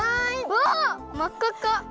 わあまっかっか！